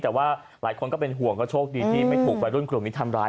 แต่ว่าหลายคนก็เป็นห่วงก็โชคดีที่ไม่ถูกวัยรุ่นกลุ่มนี้ทำร้าย